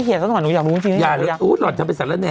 ไหนขี่ยังฉันว่าหนูอยากรู้จริง